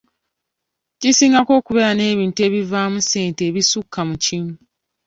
Kisingako okubeera n'ebintu ebivaamu ssente ebisukka mu kimu.